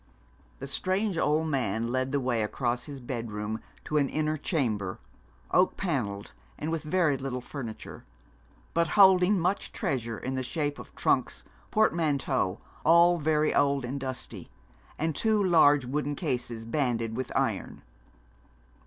The strange old man led the way across his bedroom to an inner chamber, oak pannelled, with very little furniture, but holding much treasure in the shape of trunks, portmanteaux all very old and dusty and two large wooden cases, banded with iron.